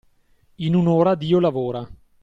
In un'ora Dio lavora.